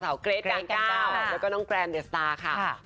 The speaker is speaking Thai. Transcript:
สาวเกรดกลางก้าวแล้วก็น้องแกรมเด็ดสตาร์ค่ะ